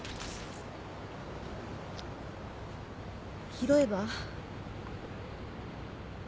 拾えば？